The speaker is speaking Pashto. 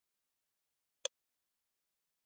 د غرمې ډوډۍ مو هلته وخوړله.